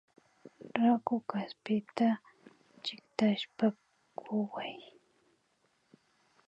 Raku kaspita chiktashpa kuway